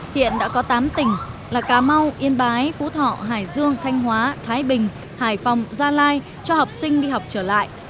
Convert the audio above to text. hiện đã có tám tỉnh là cà mau yên bái phú thọ hải dương thanh hóa thái bình hải phòng gia lai cho học sinh đi học trở lại